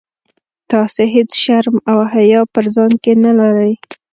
تاسي هیڅ شرم او حیا په ځان کي نه لرئ.